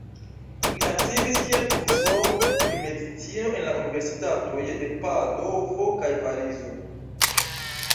Li aktivis kiel profesoro pri medicino en la Universitatoj de Padovo kaj Parizo.